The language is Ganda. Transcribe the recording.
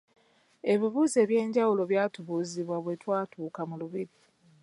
Ebibuuzo ebyenjawulo byatubuuzibwa bwe twatuuka mu lubiri.